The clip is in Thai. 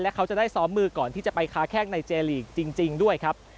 เขาจะได้ซ้อมมือก่อนที่จะไปค้าแข้งในเจลีกจริงด้วยครับ